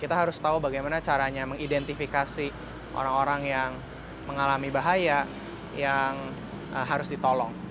kita harus tahu bagaimana caranya mengidentifikasi orang orang yang mengalami bahaya yang harus ditolong